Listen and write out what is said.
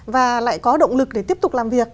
và lại có động lực để tiếp tục làm việc